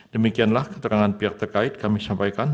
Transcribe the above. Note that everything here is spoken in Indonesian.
demikianlah keterangan pihak terkait kami sampaikan